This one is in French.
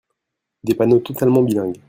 Des panneaux totalement bilingues.